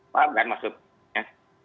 faham kan maksudnya